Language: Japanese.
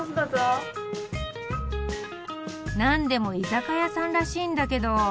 なんでも居酒屋さんらしいんだけど。